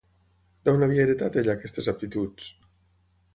D'on havia heretat ella aquestes aptituds?